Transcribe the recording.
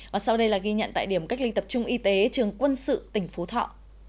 và sau đây là ghi nhận tại điểm cách ly tập trung y tế trường quân sự tỉnh phú thọ